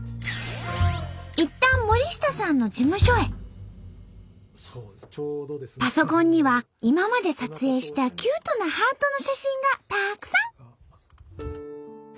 いったんパソコンには今まで撮影したキュートなハートの写真がたくさん。